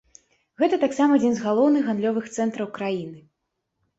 Гэта таксама адзін з галоўных гандлёвых цэнтраў краіны.